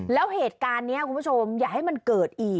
แล้วเหตุการณ์นี้คุณผู้ชมอย่าให้มันเกิดอีก